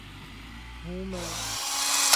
ہوں میں